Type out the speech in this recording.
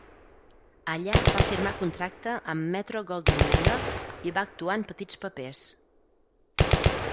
Allà va firmar contracte amb Metro-Goldwyn-Mayer i va actuar en petits papers.